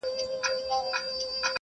زه سبزېجات وچولي دي!